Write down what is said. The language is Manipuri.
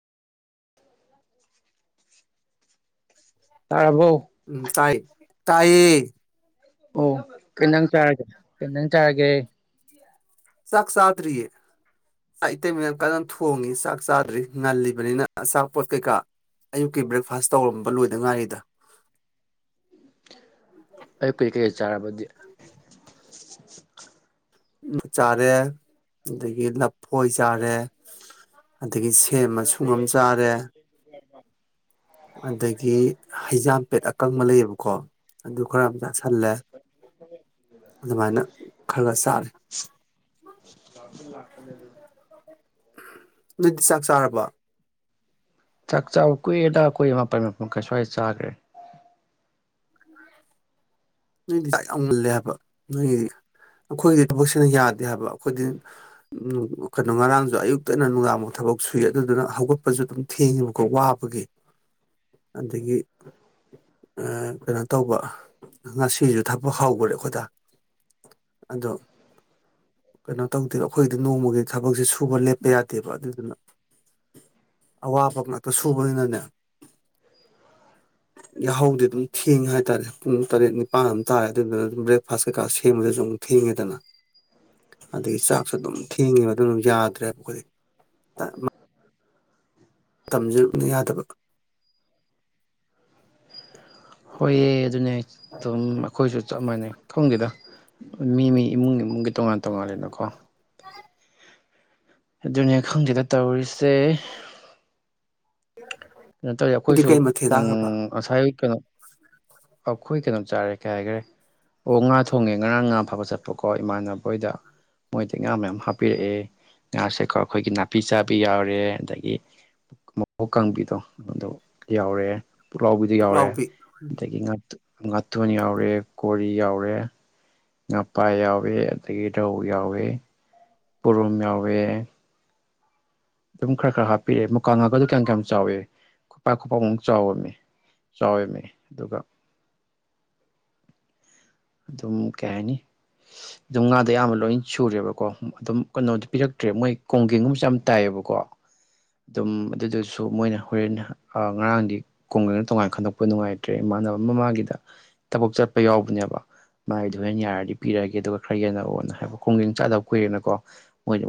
[unintelligible] ꯇꯥꯔꯕꯣ ꯎꯝ ꯇꯥꯏ ꯇꯥꯏꯌꯦ ꯑꯣ ꯀ ꯅꯪ ꯆꯒꯦ ꯀ ꯅꯪ ꯆꯥꯔꯒꯦ ꯆꯥꯛ ꯁꯥꯊꯔꯤꯌꯦ ꯑꯩ ꯏꯇꯩꯃꯤꯅꯝ ꯀꯗꯅ ꯊꯣꯡꯉꯤ ꯆꯥꯛ ꯆꯥꯗ꯭ꯔꯤ ꯉꯜꯂꯤꯕꯅꯤꯅ ꯑꯆꯥꯄꯣꯠ ꯀꯩꯀꯥ ꯑꯌꯨꯛꯀꯤ ꯕ꯭ꯔꯦꯛꯐꯥꯁ ꯇꯧꯔꯝꯕ ꯂꯣꯏꯗ ꯉꯥꯏꯔꯤꯗ ꯑꯌꯨꯛ ꯀꯩ ꯀꯩꯀ ꯆꯥꯔꯕꯗꯤ ꯆꯥꯔꯦ ꯑꯗꯒꯤ ꯂꯐꯣꯏ ꯆꯥꯔꯦ ꯑꯗꯒꯤ ꯁꯦꯝꯃ ꯁꯨꯡꯉꯝ ꯆꯥꯔꯦ ꯑꯗꯒꯤ ꯍꯩꯖꯥꯝꯄꯦꯠ ꯑꯀꯪꯕ ꯂꯩꯌꯦꯕꯀꯣ ꯑꯗꯨ ꯈꯔ ꯑꯃ ꯆꯁꯤꯜꯂꯦ ꯑꯗꯨꯃꯥꯏꯅ ꯈꯔ ꯈꯔ ꯆꯥꯔꯦ ꯂ ꯂꯥꯛꯄꯅꯦ ꯑꯗꯨ ꯅꯣꯏꯗꯤ ꯆꯥꯛ ꯆꯥꯔꯕ ꯆꯥꯛ ꯆꯕ ꯀꯨꯏꯦꯗꯥ ꯀꯨꯏ ꯃꯄꯜ ꯃꯄ ꯁ꯭ꯋꯥꯏꯗ ꯆꯥꯈ꯭ꯔꯦ ꯅꯣꯏꯗꯤ ꯆꯥꯛ ꯌꯥꯝ ꯃꯨꯜꯂꯦ ꯍꯥꯏꯕ ꯅꯣꯏꯒꯤꯗꯤ ꯑꯩꯈꯣꯏꯗꯤ ꯊꯕꯛꯁꯤꯅ ꯌꯥꯗꯦ ꯍꯥꯏꯕ ꯑꯩꯈꯣꯏꯗꯤ ꯎ ꯀꯩꯅꯣ ꯉꯔꯥꯡꯁꯨ ꯑꯌꯨꯛꯇꯩꯅ ꯅꯨꯡꯗꯥꯡꯐꯨꯛ ꯊꯕꯛ ꯀꯣꯛ ꯁꯨꯏ ꯑꯗꯨꯗꯨꯅ ꯍꯧꯒꯠꯄꯁꯨ ꯑꯗꯨꯝ ꯊꯦꯡꯉꯦꯕꯀꯣ ꯋꯥꯕꯒꯤ ꯑꯗꯒꯤ ꯀꯩꯅꯣ ꯇꯧꯕ ꯉꯁꯤꯁꯨ ꯊꯛꯄ ꯍꯥꯎꯈꯔꯦ ꯑꯩꯈꯣꯏꯗ ꯑꯗꯣ ꯀꯩꯅꯣ ꯇꯧꯗꯦ ꯑꯩꯈꯣꯏꯗꯤ ꯅꯣꯡꯃꯒꯤ ꯊꯕꯛꯁꯦ ꯁꯨꯕ ꯂꯦꯞꯄ ꯌꯥꯗꯦꯕ ꯑꯗꯨꯗꯨꯅ ꯑꯋꯥꯕ ꯉꯥꯛꯇ ꯁꯨꯕꯅꯤꯅꯅꯦ ꯌꯥꯍꯧꯗꯤ ꯑꯗꯨꯝ ꯊꯦꯡꯉꯦ ꯍꯥꯏꯇꯥꯔꯦ ꯄꯨꯡ [inaudible] ꯑꯗꯨꯗꯒꯤ ꯆꯥꯛꯁꯨ ꯑꯗꯨꯝ ꯊꯦꯡꯉꯤ ꯑꯗꯨꯝ ꯌꯥꯗ꯭ꯔꯦꯕ ꯇꯝꯖ ꯌꯥꯗꯕ ꯍꯣꯏꯌꯦ ꯑꯗꯨꯅꯦ ꯊꯣꯝꯒꯤꯗ ꯃꯤ ꯃꯤ ꯏꯃꯨꯡꯒꯤ ꯏꯃꯨꯡꯒꯤ ꯇꯣꯉꯥꯟ ꯇꯣꯉꯥꯂꯦꯅꯀꯣ ꯑꯗꯨꯅꯤ ꯈꯪꯗꯗ ꯇꯧꯔꯤꯁꯦ ꯀꯩꯅꯣ ꯇꯧꯋꯔꯤ ꯅꯪꯗꯤ ꯑꯩꯈꯣꯏꯁꯨ ꯀꯩ ꯃꯊꯦꯜ ꯎ ꯆꯥꯈ꯭ꯔꯕ ꯉꯁꯥꯏ ꯀꯩꯅꯣ ꯑꯩꯈꯣꯏ ꯀꯩꯅꯣꯝ ꯆꯥꯔꯦ ꯀꯩ ꯍꯥꯏꯈꯔꯦ ꯑꯣ ꯉꯥ ꯊꯣꯡꯉꯦ ꯉꯔꯥꯡ ꯉꯥ ꯐꯕ ꯆꯠꯄꯀꯣ ꯏꯃꯥꯟꯅꯕꯣꯏꯗ ꯃꯣꯏꯗꯤ ꯉꯥ ꯃꯌꯥꯝ ꯍꯥꯞꯄꯤꯔꯛꯑꯦ ꯉꯥꯁꯦꯀꯣ ꯑꯩꯈꯣꯏꯒꯤ ꯅꯥꯄꯤ ꯆꯥꯕꯤ ꯌꯥꯎꯔꯦ ꯑꯗꯒꯤ ꯃꯣꯛ ꯀꯥꯡꯕꯤꯗꯣ ꯑꯗꯨ ꯌꯥꯎꯔꯦ ꯄꯨꯛꯂꯥꯎꯕꯤꯗꯣ ꯌꯥꯎꯔꯦ ꯄꯨꯛꯂꯥꯎꯕꯤ ꯑꯗꯒꯤ ꯉ ꯉꯥꯇꯣꯟ ꯌꯥꯎꯔꯦ ꯀꯣꯔꯤ ꯌꯥꯎꯔꯦ ꯉꯄꯥ ꯌꯥꯎꯏꯦ ꯑꯗꯒꯤ ꯔꯧ ꯌꯥꯎꯋꯦ ꯄꯨꯔꯨꯝ ꯌꯥꯎꯋꯦ ꯑꯗꯨꯝ ꯈꯔ ꯈꯔ ꯍꯥꯞꯄꯤꯔꯛꯑꯦ ꯃꯨꯀꯥ ꯉꯀꯗꯨꯣ ꯀꯌꯥꯝ ꯀꯌꯥꯝ ꯆꯥꯎꯏꯦ ꯈꯨꯄꯥꯛꯥꯛ ꯈꯨꯄꯥꯛꯃꯨꯛ ꯆꯥꯎꯔꯝꯃꯤ ꯆꯥꯎꯔꯝꯃꯤ ꯑꯗꯨꯒ ꯑ ꯑꯗꯨꯝ ꯀꯌꯥꯅꯤ ꯑꯗꯨꯝ ꯉꯥꯗꯣ ꯑꯌꯥꯝꯕ ꯂꯣꯏ ꯁꯨꯔꯦꯕꯀꯣ ꯑꯗꯨꯝ ꯀꯩꯅꯣꯗꯤꯣ ꯄꯤꯔꯛꯇ꯭ꯔꯦ ꯃꯣꯏ ꯀꯣꯡꯒꯦꯡꯒꯨꯝꯕꯁꯨ ꯌꯥꯝ ꯇꯥꯏꯑꯕ ꯑꯣꯏꯕꯀꯣ ꯑꯗꯨꯝ ꯑꯗꯨꯗꯨꯁꯨ ꯃꯣꯏꯅ ꯍꯣꯔꯦꯟ ꯉꯔꯥꯡꯗꯤ ꯀꯨꯡꯒꯅ ꯇꯣꯉꯥꯟꯅ ꯈꯟꯗꯣꯛꯄ ꯅꯨꯡꯉꯥꯏꯇ꯭ꯔꯦ ꯏꯃꯥꯟꯅꯕ ꯃ ꯃꯥꯥꯡꯒꯤꯗ ꯊꯕꯛ ꯆꯠꯄ ꯌꯥꯎꯕꯅꯦꯕ ꯃꯥꯏꯗꯣ ꯍꯦꯦꯟ ꯌꯥꯔꯗꯤ ꯄꯤꯔꯛꯑꯒꯦ ꯑꯗꯨꯒ ꯈꯔ ꯌꯦꯟꯅꯕꯅ ꯍꯥꯏꯕ ꯈꯣꯡꯖꯪ ꯆꯥꯗꯕ ꯀꯨꯏꯔꯦꯅꯀꯣ ꯃꯣꯏ